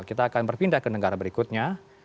kita akan berpindah ke negara berikutnya